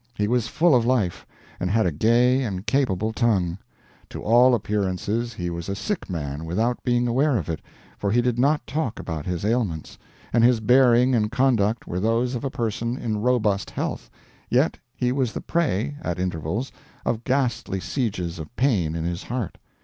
He was full of life, and had a gay and capable tongue. To all appearances he was a sick man without being aware of it, for he did not talk about his ailments, and his bearing and conduct were those of a person in robust health; yet he was the prey, at intervals, of ghastly sieges of pain in his heart.